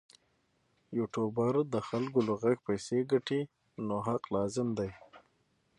یوټوبر د خلکو له غږ پیسې ګټي نو حق لازم دی.